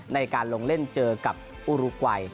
ในการลงเล่นเจอกับอุรุกวัย